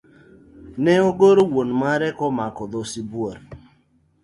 Ne ogoro wuon mare ka ochung' ka omako dhoo sibuor.